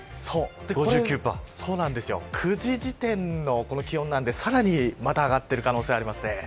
これは９時時点の気温なのでかなり、また上がっている可能性があります。